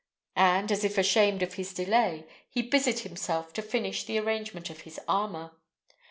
and, as if ashamed of his delay, he busied himself to finish the arrangement of his armour.